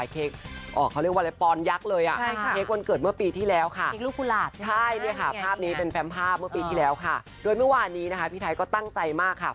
โดยเมื่อวานนี้พี่ไทยตั้งใจมาก